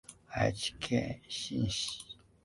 愛知県日進市